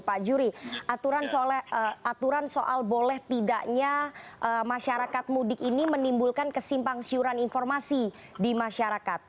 pak jury aturan soal boleh tidaknya masyarakat mudik ini menimbulkan kesimpangsiuran informasi di masyarakat